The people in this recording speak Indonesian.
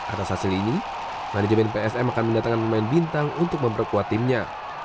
atas hasil ini manajemen psm akan mendatangkan pemain bintang untuk memperkuat timnya